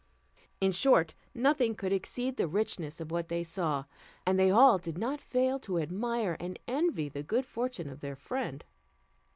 In short, nothing could exceed the richness of what they saw; and they all did not fail to admire and envy the good fortune of their friend.